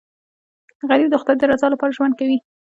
غریب د خدای د رضا لپاره ژوند کوي